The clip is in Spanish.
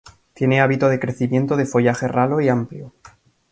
Tiene hábito de crecimiento de follaje ralo y amplio.